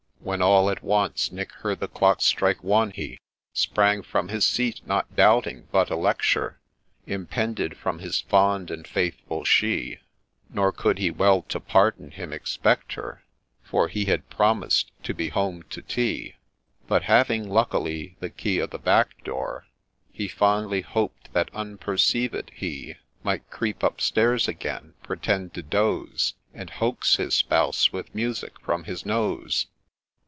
When all at once Nick heard the clock strike One, — he Sprang from his seat, not doubting but a lecture Impended from his fond and faithful She ; Nor could he well to pardon him expect her, For he had promised to ' be home to tea ;' But having luckily the key o' the back door, He fondly hoped that, unperceived, he Might creep up stairs again, pretend to doze. And hoax his spouse with music from his nose.